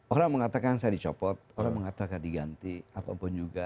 orang mengatakan saya dicopot orang mengatakan diganti apapun juga